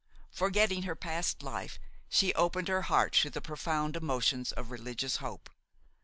Forgetting her past life, she opened her heart to the profound emotions of religious hope.